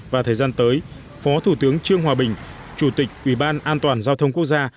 và thời gian tới phó thủ tướng trương hòa bình chủ tịch ủy ban an toàn giao thông quốc gia